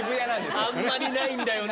あんまりないんだよな